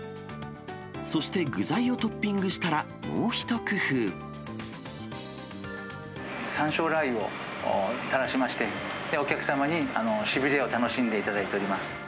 そして具材をトッピングしたら、さんしょうラー油をたらしまして、お客様にしびれを楽しんでいただいております。